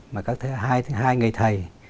mà các hai người thầy